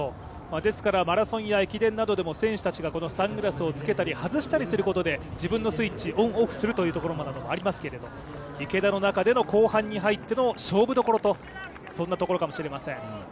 マラソンや駅伝などでも選手たちがサングラスをつけたり外したりすることで自分のスイッチ、オン・オフするなどもありますけど池田の中での後半に入っての勝負どころというところかもしれません。